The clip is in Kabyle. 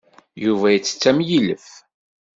Yuba yettett am yilef.